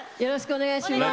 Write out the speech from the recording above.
お願いいたします。